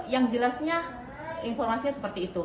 yang jelasnya informasinya seperti itu